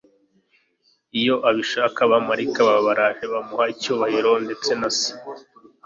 Iyo abishaka, abamarayika baba baraje bakamuha icyubahiro, ndetse na Se